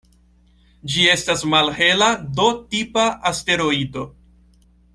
Ĝi estas malhela D-tipa asteroido.